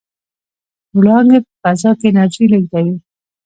وړانګې په فضا کې انرژي لېږدوي.